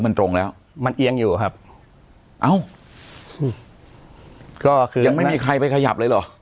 มันตรงแล้วมันเอียงอยู่ครับเอ้าก็คือยังไม่มีใครไปขยับเลยเหรอ